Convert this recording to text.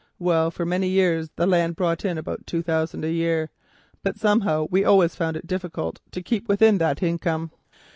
Well, for many years the land brought in about two thousand a year, but somehow we always found it difficult to keep within that income.